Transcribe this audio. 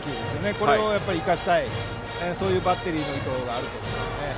これを生かしたいというバッテリーの意図があると思います。